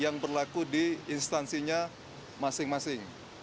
yang berlaku di instansinya masing masing